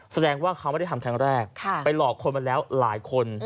แสดงว่าเขาไม่ได้ทำครั้งแรกไปหลอกคนมาแล้วหลายคน